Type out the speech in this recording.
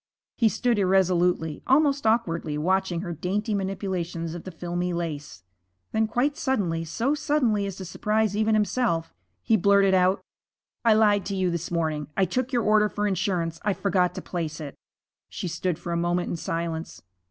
He stood irresolutely, almost awkwardly, watching her dainty manipulations of the filmy lace. Then quite suddenly, so suddenly as to surprise even himself, he blurted out, 'I lied to you this morning. I took your order for insurance. I forgot to place it.' She stood for a moment in silence.